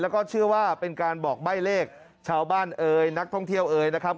แล้วก็เชื่อว่าเป็นการบอกใบ้เลขชาวบ้านเอ่ยนักท่องเที่ยวเอยนะครับ